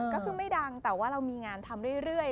ก็คือไม่ดังแต่ว่าเรามีงานทำเรื่อย